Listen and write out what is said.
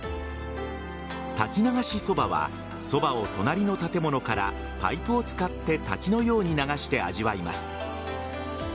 滝流しそばはそばを隣の建物からパイプを使って滝のように流して味わいます。